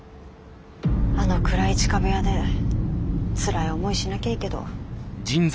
あの暗い地下部屋でつらい思いしなきゃいいけど。